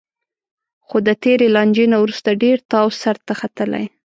خو د تېرې لانجې نه وروسته ډېر تاو سرته ختلی